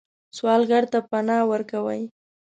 سوالګر ته پناه ورکوئ